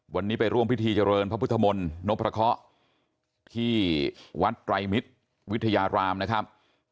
วันนี้ไปร่วมพิธีเจริญพระพุทธมนต์นพพระเคาะที่วัดไตรมิตรวิทยารามนะครับ